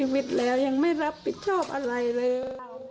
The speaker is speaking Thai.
วิทย์แล้วยังไม่รับผิดชอบอะไรเลย